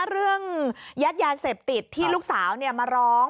ยัดยาเสพติดที่ลูกสาวมาร้อง